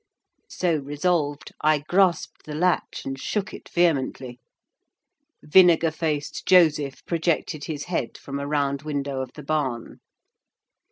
So resolved, I grasped the latch and shook it vehemently. Vinegar faced Joseph projected his head from a round window of the barn.